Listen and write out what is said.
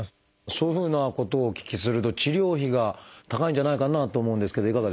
そういうふうなことをお聞きすると治療費が高いんじゃないかなと思うんですけどいかがですか？